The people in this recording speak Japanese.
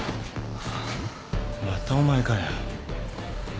またお前かよ。